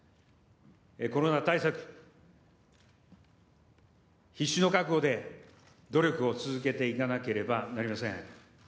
コロナ対策、必死の覚悟で努力を続けていかなければなりません。